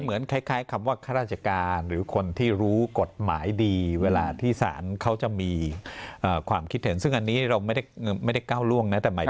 เหมือนคล้ายคำว่าข้าราชการหรือคนที่รู้กฎหมายดีเวลาที่ศาลเขาจะมีความคิดเห็นซึ่งอันนี้เราไม่ได้ก้าวล่วงนะ